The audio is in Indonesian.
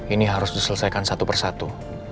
ini harus diselesaikan satu persatu